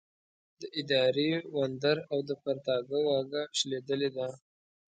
د اداري وندر او د پرتاګه واګه شلېدلې ده.